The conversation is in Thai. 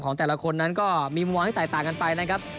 ของแต่ละคนนั้นก็มีมวลให้ต่างกันไปนะครับ